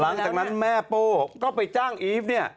หลังจากนั้นแม่โป้ก็ไปจ้างอีฟเนี่ย